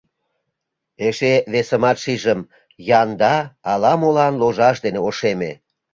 Эше весымат шижым: янда ала-молан ложаш дене ошеме...